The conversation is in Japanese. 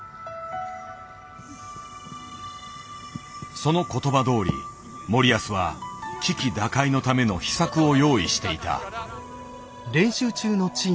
その言葉どおり森保は危機打開のための秘策を用意していた。